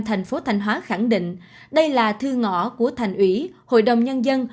thành phố thanh hóa khẳng định đây là thư ngõ của thành ủy hội đồng nhân dân